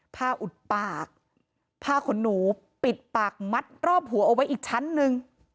ผ้าอุดปากผ้าขนหนูปิดปากมัดรอบหัวเอาไว้อีกชั้นหนึ่ง